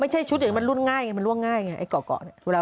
ไม่ใช่ชุดอย่างนี้มันรุ่นง่ายล่วงง่ายไงก่อก่อน